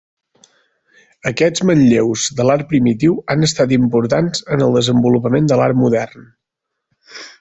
Aquests manlleus de l'art primitiu han estat importants en el desenvolupament de l'art modern.